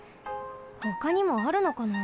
ほかにもあるのかな？